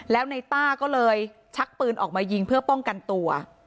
แล้วในต้าก็เลยชักปืนออกมายิงเพื่อป้องกันตัว